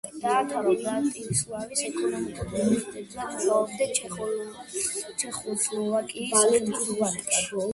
დაამთავრა ბრატისლავის ეკონომიკური უნივერსიტეტი და მუშაობდა ჩეხოსლოვაკიის სახელმწიფო ბანკში.